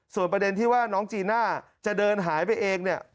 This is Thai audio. ส่วนประเด็นที่ว่าน้องจีน่าจะเดินหายไปเองเนี่ย